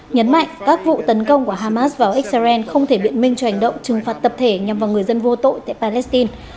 nhấn mạnh các vụ tấn công của hamas vào xrn không thể biện minh cho hành động trừng phạt tập thể nhằm vào người dân vô tội tại palestine